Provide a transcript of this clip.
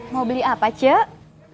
mau beli apa cek